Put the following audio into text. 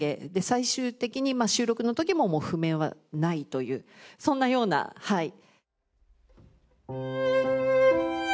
最終的に収録の時ももう譜面はないというそんなようなはい。